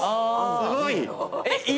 すごい。